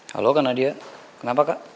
halo kak nadia kenapa kak